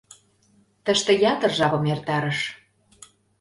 Тыште ятыр жапым эртарыш.